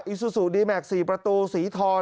ซูซูดีแม็กซ์๔ประตูสีทอง